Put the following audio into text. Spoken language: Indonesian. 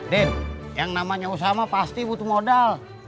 den yang namanya usaha pasti butuh modal